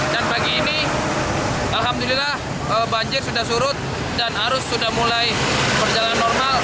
dan bagi ini alhamdulillah banjir sudah surut dan arus sudah mulai berjalan normal